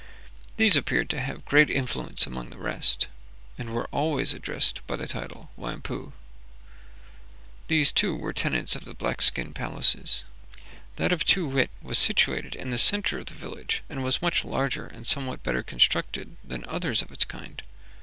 These appeared to have great influence among the rest, and were always addressed by the title Wampoo. These, too, were the tenants of the black skin palaces. That of Too wit was situated in the centre of the village, and was much larger and somewhat better constructed than others of its kind.